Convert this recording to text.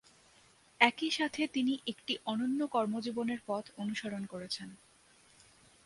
একই সাথে তিনি একটি অনন্য কর্মজীবনের পথ অনুসরণ করেছেন।